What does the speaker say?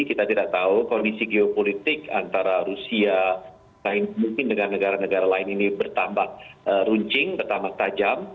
kita tidak tahu kondisi geopolitik antara rusia mungkin dengan negara negara lain ini bertambah runcing bertambah tajam